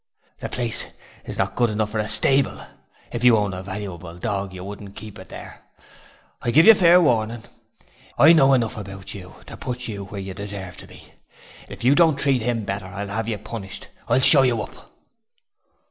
The place is not good enough for a stable if you owned a valuable dog you wouldn't keep it there I give you fair warning I know enough about you to put you where you deserve to be if you don't treat him better I'll have you punished I'll show you up.'